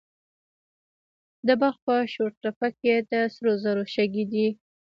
د بلخ په شورتپه کې د سرو زرو شګې دي.